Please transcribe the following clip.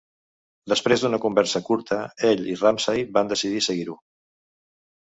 Després d'una conversa curta ell i Ramsay van decidir seguir-ho.